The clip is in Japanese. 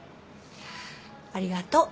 ありがとう。